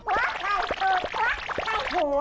หัวใบเผิบหัวหัวหัว